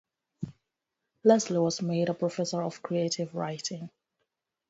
Leslie was made a Professor of Creative Writing.